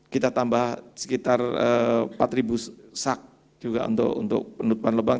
kita tambah sekitar empat sak juga untuk penutupan lebak